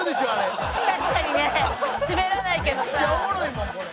めっちゃおもろいもんこれ。